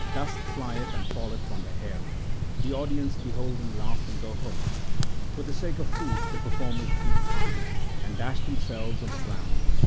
Dust flieth and falleth on their hair ; 1 The audience beholding laugh and go home. For the sake of food the performers beat time, And dash themselves on the ground.